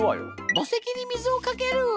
墓石に水をかける。